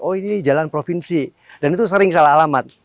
oh ini jalan provinsi dan itu sering salah alamat